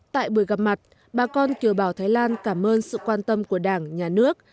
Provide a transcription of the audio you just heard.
tại buổi gặp mặt bà con kiều bào thái lan cảm ơn sự quan tâm của đảng nhà nước